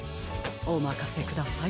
おまかせください。